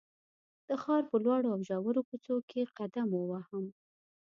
د ښار په لوړو او ژورو کوڅو کې قدم ووهم.